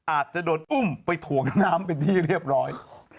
อาจจะโดนอุ้มไปถ่วงน้ำเป็นที่เรียบร้อย